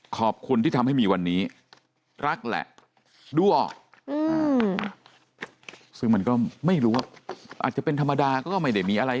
ขอบคุณที่ทำให้มีวันนี้รักแหละดูออกซึ่งมันก็ไม่รู้ว่าอาจจะเป็นธรรมดาก็ไม่ได้มีอะไร